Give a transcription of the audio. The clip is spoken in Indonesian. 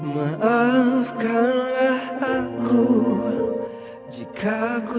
gue selalu pegang